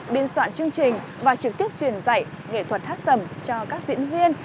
biên soạn chương trình và trực tiếp truyền dạy nghệ thuật hát sầm cho các diễn viên